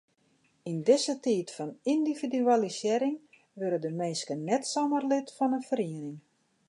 Yn dizze tiid fan yndividualisearring wurde de minsken net samar lid fan in feriening.